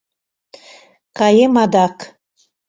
— Каем адак...